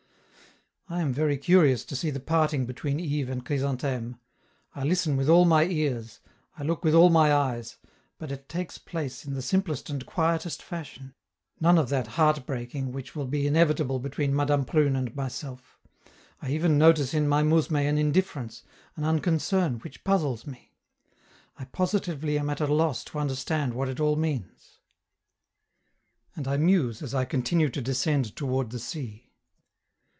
I am very curious to see the parting between Yves and Chrysantheme; I listen with all my ears, I look with all my eyes, but it takes place in the simplest and quietest fashion: none of that heartbreaking which will be inevitable between Madame Prune and myself; I even notice in my mousme an indifference, an unconcern which puzzles me; I positively am at a loss to understand what it all means. And I muse as I continue to descend toward the sea.